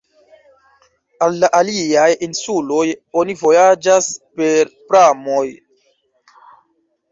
Al la aliaj insuloj oni vojaĝas per pramoj.